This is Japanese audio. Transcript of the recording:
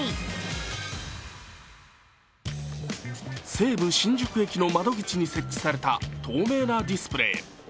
西武新宿駅の窓口に設置された透明なディスプレー。